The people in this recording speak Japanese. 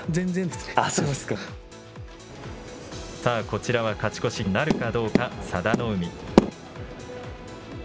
こちらは勝ち越しなるかどうか佐田の海。